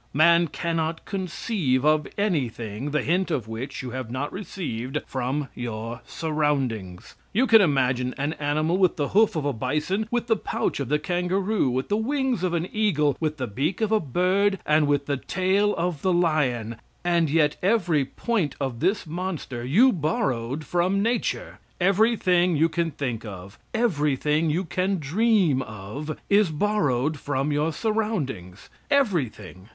Man cannot conceive of anything the hint of which you have not received from your surroundings. You can imagine an animal with the hoof of a bison, with the pouch of the kangaroo, with the wings of an eagle, with the beak of a bird, and with the tail of the lion; and yet every point of this monster you borrowed from nature. Every thing you can think of every thing you can dream of, is borrowed from your surroundings everything.